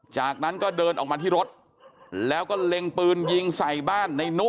จากนั้นก็เดินออกมาที่รถแล้วก็เล็งปืนยิงใส่บ้านในนุ